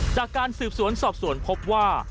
จากการสืบสวนสอบสวนพบว่า